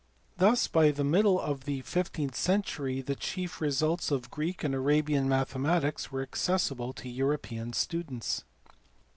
Thus by the middle of the fifteenth century the chief results of Greek and Arabian mathematics were accessible to European students.